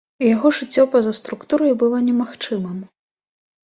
Яго жыццё па-за структурай было немагчымым.